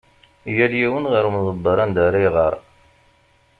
Yal yiwen ɣer umdebber anda ara iɣer.